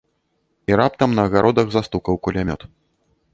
І раптам на агародах застукаў кулямёт.